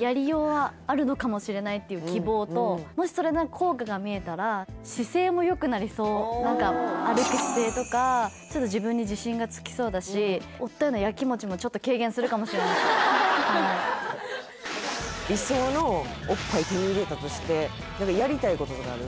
やりようはあるのかもしれないっていう希望ともしそれの効果が見えたら何か歩く姿勢とかちょっと自分に自信がつきそうだし夫へのヤキモチもちょっと軽減するかもしれない理想のおっぱい手に入れたとして何かやりたいこととかある？